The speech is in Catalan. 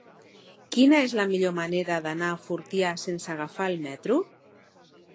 Quina és la millor manera d'anar a Fortià sense agafar el metro?